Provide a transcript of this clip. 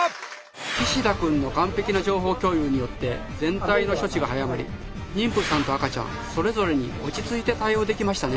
岸田くんの完璧な情報共有によって全体の処置が早まり妊婦さんと赤ちゃんそれぞれに落ち着いて対応できましたね。